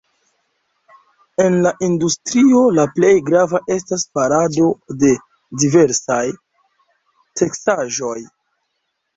En la industrio la plej grava estas farado de diversaj teksaĵoj.